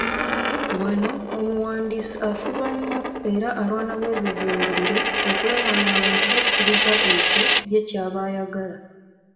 Wano omuwandiisi afuba nnyo era alwana bwezizingirire okulaba ng’abantu bakkiriza ekyo ye ky’aba ayagala.